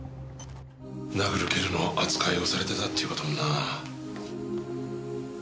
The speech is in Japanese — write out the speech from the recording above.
殴る蹴るの扱いをされてたっていう事もな。